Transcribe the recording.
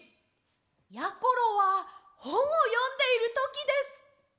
やころはほんをよんでいるときです。